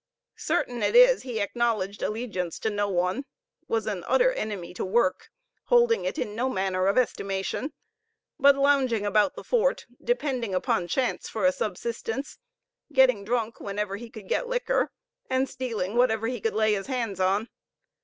Certain it is, he acknowledged allegiance to no one was an utter enemy to work, holding it in no manner of estimation but lounging about the fort, depending upon chance for a subsistence, getting drunk whenever he could get liquor, and stealing whatever he could lay his hands on.